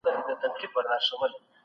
نه دي زور نه دي